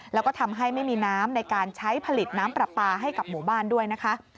แล้วก็ทำให้ไม่มีน้ำในการใช้ผลิตน้ำปลาปลาให้กับหมู่บ้านด้วยนะคะ